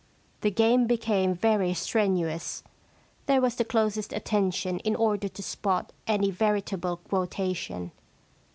The game became very strenuous. There was the closest attention in order to spot any veritable quotation.